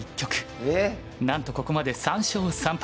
え⁉なんとここまで３勝３敗。